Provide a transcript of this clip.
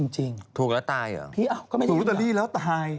ถูกแล้วตายเหรอถูกลอตเตอรี่แล้วตาย